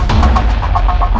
beliau kan ga ada